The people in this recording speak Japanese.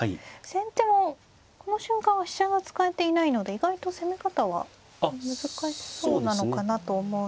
先手もこの瞬間は飛車が使えていないので意外と攻め方は難しそうなのかなと思うのですが。